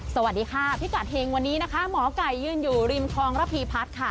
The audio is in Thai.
สวัสดีค่ะพิกัดเฮงวันนี้นะคะหมอไก่ยืนอยู่ริมคลองระพีพัฒน์ค่ะ